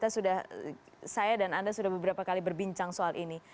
saya dan anda sudah beberapa kali berbincang soal ini